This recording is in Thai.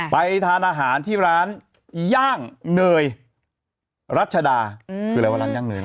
ไปทานอาหารที่ร้านย่างเนยรัชดาคืออะไรว่าร้านย่างเนย